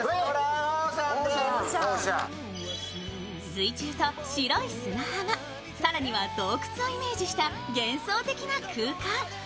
水中と白い砂浜、更には洞窟をイメージした幻想的な空間。